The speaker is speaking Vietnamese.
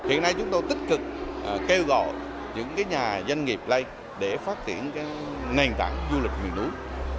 hiện nay chúng tôi tích cực kêu gọi những nhà doanh nghiệp đây để phát triển nền tảng du lịch miền núi